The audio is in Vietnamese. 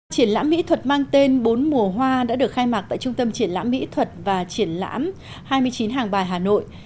triển lãm mỹ thuật mang tên bốn mùa hoa đã được khai mạc tại trung tâm triển lãm mỹ thuật và triển lãm hai mươi chín hàng bài hà nội